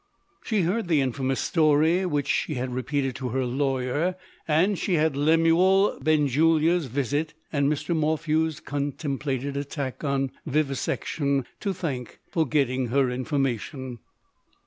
She heard the infamous story, which she had repeated to her lawyer; and she had Lemuel Benjulia's visit, and Mr. Morphew's contemplated attack on Vivisection, to thank for getting her information.